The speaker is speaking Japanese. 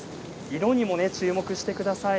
色にも注目してください。